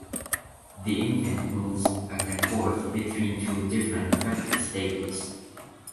The infant moves back and forth between two different affective states.